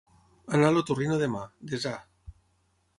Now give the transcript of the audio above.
Anar a l'otorrino demà, desar.